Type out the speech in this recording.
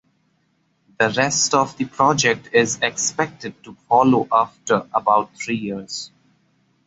The rest of the project is expected to follow after about three years.